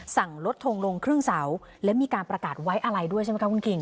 สั่งลดทงลงครึ่งเสาและมีการประกาศไว้อะไรด้วยใช่ไหมคะคุณคิง